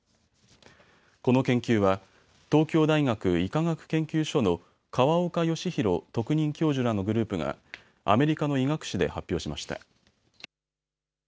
この研究は東京大学医科学研究所の河岡義裕特任教授らのグループがアメリカの医学誌で発表しました。